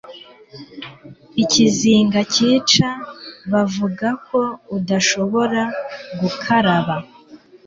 Ikizinga cyica, bavugako udashobora gukaraba